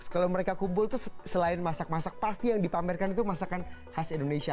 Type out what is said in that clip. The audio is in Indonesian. kalau mereka kumpul itu selain masak masak pasti yang dipamerkan itu masakan khas indonesia